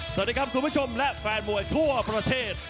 สวัสดีครับคุณผู้ชมและแฟนมวยทั่วประเทศ